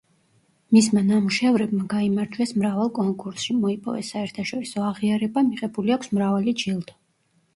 მისმა ნამუშევრებმა გაიმარჯვეს მრავალ კონკურსში, მოიპოვეს საერთაშორისო აღიარება, მიღებული აქვს მრავალი ჯილდო.